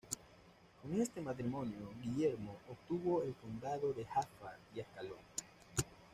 Con este matrimonio, Guillermo obtuvo el condado de Jaffa y Ascalón.